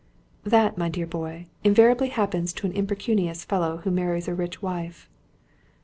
"That, my dear boy, invariably happens to an impecunious fellow who marries a rich wife."